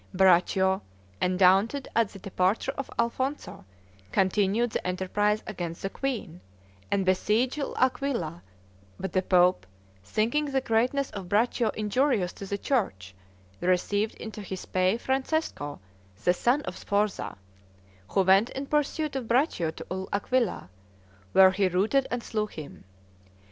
Braccio, undaunted at the departure of Alfonzo, continued the enterprise against the queen, and besieged L'Aquilla; but the pope, thinking the greatness of Braccio injurious to the church, received into his pay Francesco, the son of Sforza, who went in pursuit of Braccio to L'Aquilla, where he routed and slew him.